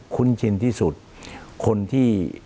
คุณจอมขอบพระคุณครับ